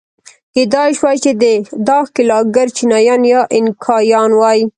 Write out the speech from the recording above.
کېدای شوای چې دا ښکېلاکګر چینایان یا اینکایان وای.